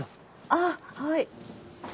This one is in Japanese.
ああはい。